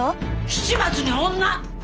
七松に女？